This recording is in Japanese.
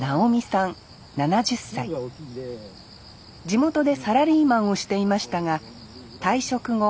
地元でサラリーマンをしていましたが退職後